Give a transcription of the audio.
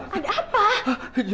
lihat di sini